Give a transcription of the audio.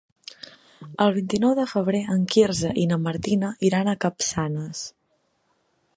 El vint-i-nou de febrer en Quirze i na Martina iran a Capçanes.